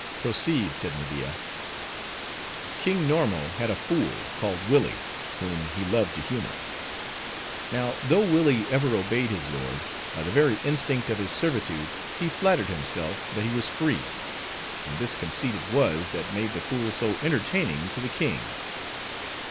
"Proceed," said Media. "King Normo had a fool, called Willi, whom he loved to humor. Now, though Willi ever obeyed his lord, by the very instinct of his servitude, he flattered himself that he was free; and this conceit it was, that made the fool so entertaining to the king.